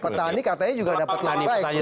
petani katanya juga dapat lebih baik setuju gak